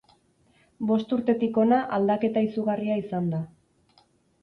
Bost urtetik hona aldaketa izugarria izan da.